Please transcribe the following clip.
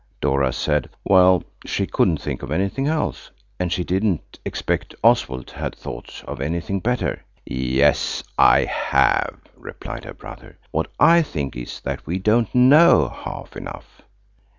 Dora said, well, she couldn't think of anything else. And she didn't expect Oswald had thought of anything better. "Yes, I have," replied her brother. "What I think is that we don't know half enough."